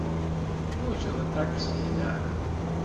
Teḥwajeḍ aṭaksi, naɣ?